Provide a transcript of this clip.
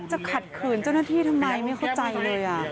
จะขัดขืนเจ้าหน้าที่ทำไมไม่เข้าใจเลย